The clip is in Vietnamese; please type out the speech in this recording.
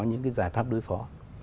những cái giải pháp đối phó